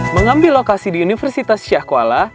mengambil lokasi di universitas syahkuala